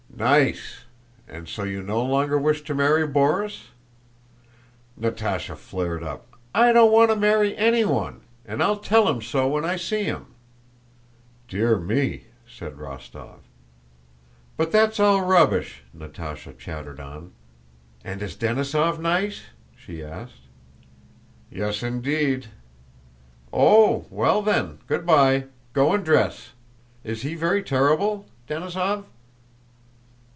"Nice! And so you no longer wish to marry Borís?" Natásha flared up. "I don't want to marry anyone. And I'll tell him so when I see him!" "Dear me!" said Rostóv. "But that's all rubbish," Natásha chattered on. "And is Denísov nice?" she asked. "Yes, indeed!" "Oh, well then, good by: go and dress. Is he very terrible, Denísov?"